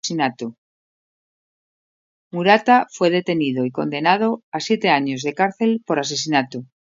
Murata fue detenido y condenado a siete años de cárcel por asesinato.